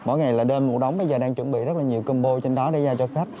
mỗi ngày là đêm mùa đông bây giờ đang chuẩn bị rất là nhiều combo trên đó để ra cho khách